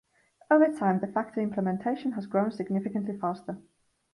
Over time, the Factor implementation has grown significantly faster.